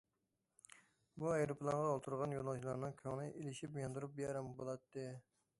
بۇ ئايروپىلانغا ئولتۇرغان يولۇچىلارنىڭ كۆڭلى ئېلىشىپ، ياندۇرۇپ، بىئارام بولاتتى.